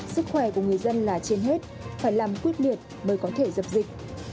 sức khỏe của người dân là trên hết phải làm quyết liệt mới có thể dập dịch